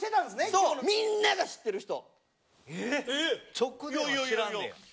そう、みんなが知っている人。